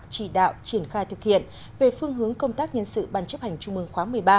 chỉ đạo triển khai thực hiện về phương hướng công tác nhân sự ban chấp hành trung mương khóa một mươi ba